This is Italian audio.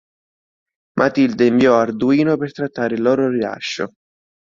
Matilda inviò Arduino per trattare il loro rilascio.